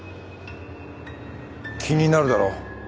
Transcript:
気になるだろう？